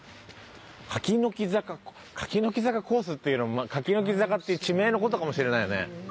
柿の木坂柿の木坂コースっていうのも柿の木坂っていう地名の事かもしれないよね。